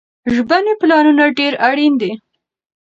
ژبني پلانونه ډېر اړين دي.